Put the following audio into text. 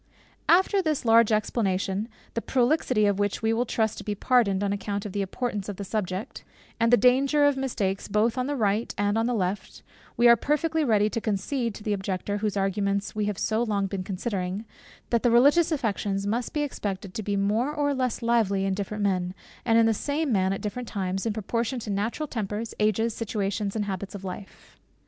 After this large explanation, the prolixity of which will we trust be pardoned on account of the importance of the subject, and the danger of mistakes both on the right hand and on the left, we are perfectly ready to concede to the objector, whose arguments we have so long been considering, that the religious affections must be expected to be more or less lively in different men, and in the same man at different times, in proportion to natural tempers, ages, situations, and habits of life.